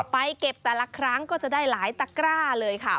ไปเก็บแต่ละครั้งก็จะได้หลายตะกร้าเลยค่ะ